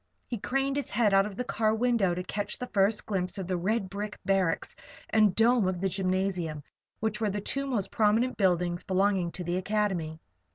He craned his head out of the car window to catch the first glimpse of the red brick barracks and dome of the gymnasium, which were the two most prominent buildings belonging to the Academy.